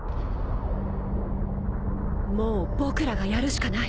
もう僕らがやるしかない。